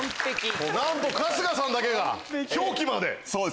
なんと春日さんだけが表記まで。